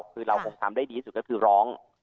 คือเราคงทำได้ดีที่สุดก็คือร้อง